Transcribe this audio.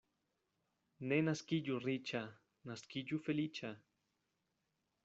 Ne naskiĝu riĉa, naskiĝu feliĉa.